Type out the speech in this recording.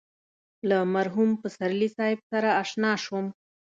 له مرحوم پسرلي صاحب سره اشنا شوم.